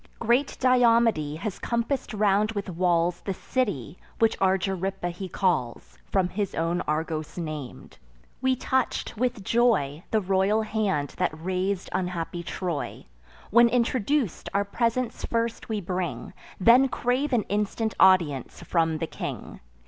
Great Diomede has compass'd round with walls The city, which Argyripa he calls, From his own Argos nam'd. We touch'd, with joy, The royal hand that raz'd unhappy Troy. When introduc'd, our presents first we bring, Then crave an instant audience from the king.